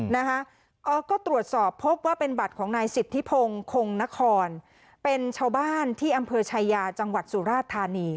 นะคะก็ตรวจสอบพบว่าเป็นบัตรของนายสิทธิพงศ์คงนครเป็นชาวบ้านที่อำเภอชายาจังหวัดสุราชธานี